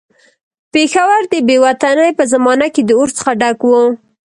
پېښور د بې وطنۍ په زمانه کې د اور څخه ډک وو.